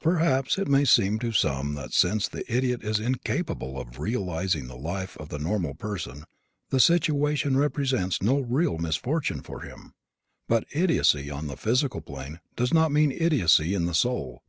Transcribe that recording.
Perhaps it may seem to some that since the idiot is incapable of realizing the life of the normal person the situation represents no real misfortune for him. But idiocy on the physical plane does not mean idiocy in the soul.